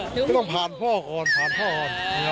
ก็ต้องผ่านพ่อก่อนผ่านพ่อก่อน